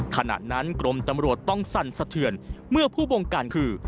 ขณะนั้นกรมตำรวจต้องสั่นสะเทือนเมื่อผู้บงการคือ